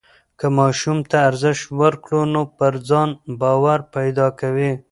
که ماشوم ته ارزښت ورکړو نو پر ځان باور پیدا کوي.